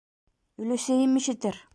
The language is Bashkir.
Өләсәйем ишетер...